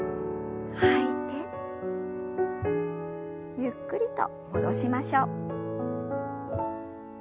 ゆっくりと戻しましょう。